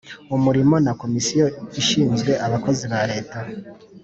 umurimo na komisiyo ishinzwe abakozi ba leta.